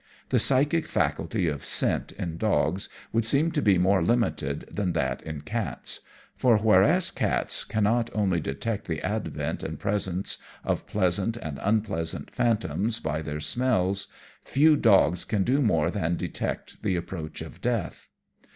The psychic faculty of scent in dogs would seem to be more limited than that in cats; for, whereas cats can not only detect the advent and presence of pleasant and unpleasant phantoms by their smells, few dogs can do more than detect the approach of death.